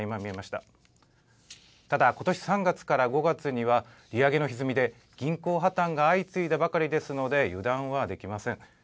ただ、ことし３月から５月には、利上げのひずみで銀行破綻が相次いだばかりですので、油断はできません。